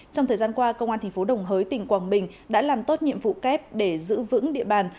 trong thời gian qua công an thành phố đồng hới tỉnh quảng bình đã làm tốt nhiệm vụ kép để giữ vững địa bàn